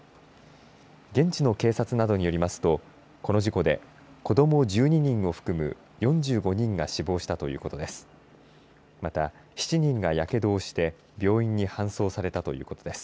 現地の警察などによりますとこの事故で子ども１２人を含む４５人が死亡したということです。